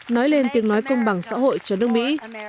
nói lên tiếng nói công bằng xã hội cho nước mỹ